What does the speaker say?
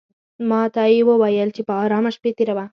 ماته یې وویل چې په آرامه شپې تېروه.